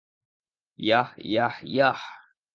Yeah, yeah, yeah!